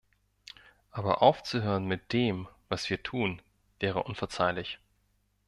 Aber aufzuhören mit dem, was wir tun, wäre unverzeihlich.